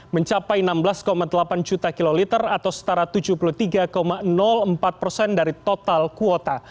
mencapai enam belas delapan juta kiloliter atau setara tujuh puluh tiga empat persen dari total kuota